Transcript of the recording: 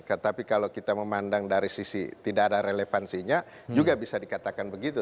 tetapi kalau kita memandang dari sisi tidak ada relevansinya juga bisa dikatakan begitu